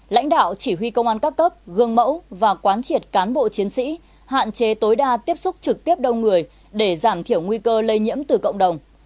lãnh đạo chỉ huy công an các cấp gương mẫu và quán triệt cán bộ chiến sĩ hạn chế tối đa tiếp xúc trực tiếp đông người để giảm thiểu nguy cơ lây nhiễm từ cộng đồng